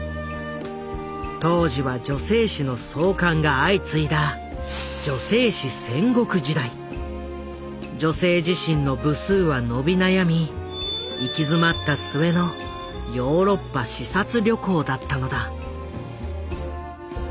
当時は女性誌の創刊が相次いだ「女性自身」の部数は伸び悩み行き詰まった末のヨーロッパ視察旅行だったのだ。